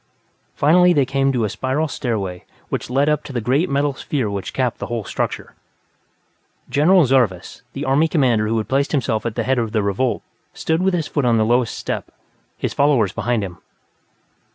Finally, they came to the spiral stairway which led up to the great metal sphere which capped the whole structure. General Zarvas, the Army Commander who had placed himself at the head of the revolt, stood with his foot on the lowest step, his followers behind him.